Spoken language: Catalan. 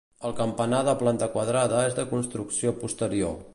El campanar de planta quadrada és de construcció posterior.